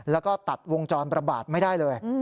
แล้วก็ตัดวงจรประบาดไม่ได้เลย